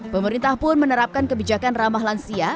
pemerintah pun menerapkan kebijakan ramah lansia